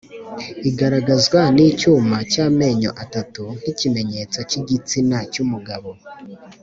igaragazwa n’icyuma cy’amenyo atatu n’ikimenyetso cy’igitsina cy’umugabo